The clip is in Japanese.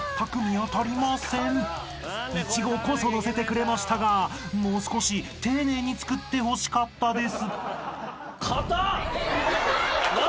［イチゴこそ載せてくれましたがもう少し丁寧に作ってほしかったです］